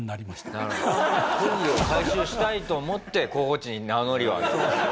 トイレを改修したいと思って候補地に名乗りを上げたと。